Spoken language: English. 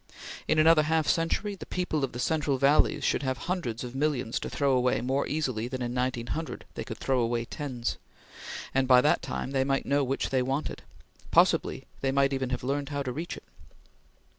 In another half century, the people of the central valleys should have hundreds of millions to throw away more easily than in 1900 they could throw away tens; and by that time they might know what they wanted. Possibly they might even have learned how to reach it.